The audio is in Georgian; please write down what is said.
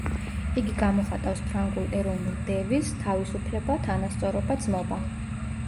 იგი გამოხატავს ფრანგულ ეროვნულ დევიზს „თავისუფლება, თანასწორობა, ძმობა“.